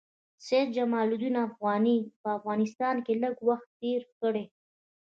سید جمال الدین افغاني په افغانستان کې لږ وخت تېر کړی.